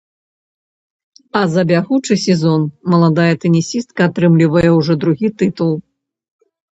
А за бягучы сезон маладая тэнісістка атрымлівае ўжо другі тытул.